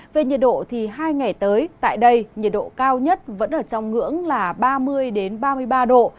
về nhiệt độ thì hai ngày tới tại đây nhiệt độ cao nhất vẫn ở trong ngưỡng là ba mươi ba mươi ba độ